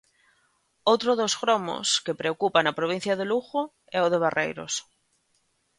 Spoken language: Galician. Outro dos gromos que preocupa na provincia de Lugo é o de Barreiros.